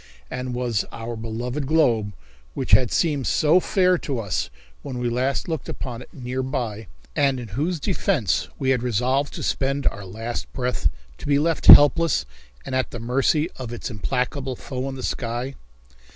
And was our beloved globe, which had seemed so fair to us when we last looked upon it near by, and in whose defence we had resolved to spend our last breath, to be left helpless and at the mercy of its implacable foe in the sky?